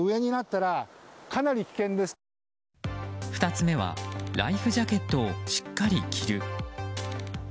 ２つ目はライフジャケットをしっかり着る。